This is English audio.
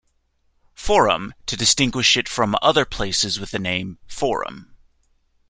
Forum" to distinguish it from other places with the name "Forum".